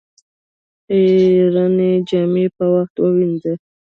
خيرنې جامې په وخت ووينځه